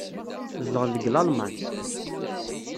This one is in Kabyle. Zedɣen deg Lalman.